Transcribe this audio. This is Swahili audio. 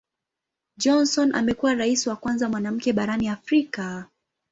Johnson amekuwa Rais wa kwanza mwanamke barani Afrika.